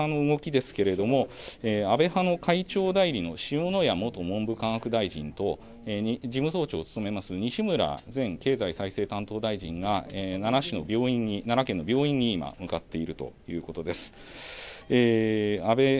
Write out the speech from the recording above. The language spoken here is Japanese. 安倍氏が会長を務める自民党安倍派の動きですけれども安倍派の会長代理の塩谷元文部科学大臣と事務総長を務めます西村前経済再生担当大臣が奈良県の病院に今向かっているということです。